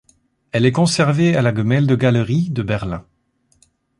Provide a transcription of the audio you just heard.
Elle est conservée à la Gemäldegalerie de Berlin.